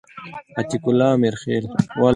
عتیق الله امرخیل